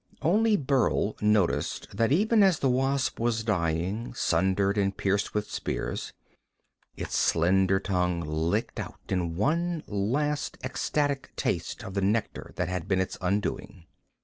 Only Burl noticed that even as the wasp was dying, sundered and pierced with spears, its slender tongue licked out in one last, ecstatic taste of the nectar that had been its undoing.